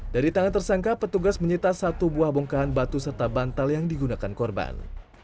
dari tangan tersangka petugas menyita satu buah bongkahan batu serta bantal yang digunakan korban